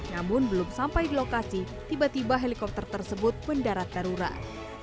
namun belum sampai di lokasi tiba tiba helikopter tersebut mendarat darurat